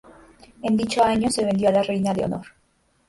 En dicho año se vendió a la reina Leonor.